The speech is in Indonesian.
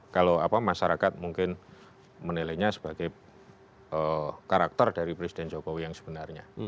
kalau masyarakat mungkin menilainya sebagai karakter dari presiden jokowi yang sebenarnya